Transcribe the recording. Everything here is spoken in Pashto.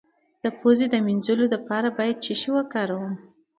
د پوزې د مینځلو لپاره باید څه شی وکاروم؟